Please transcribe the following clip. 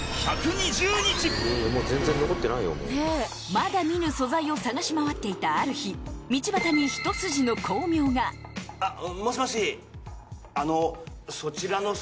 まだ見ぬ素材を探し回っていたある日道端にもしもし。